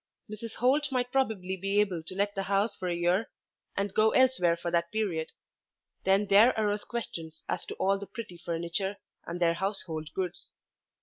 Mrs. Holt might probably be able to let the house for a year and go elsewhere for that period. Then there arose questions as to all the pretty furniture, and their household goods.